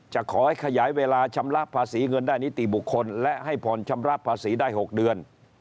จะขอให้ขยายเวลาชำระภาษีเงินได้นิติบุคคลและให้ผ่อนชำระภาษีได้๖เดือน